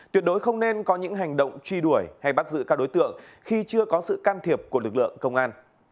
tuyệt đối không nên có những hành động truy đuổi hay bắt giữ các đối tượng khi chưa có sự can thiệp của lực lượng công an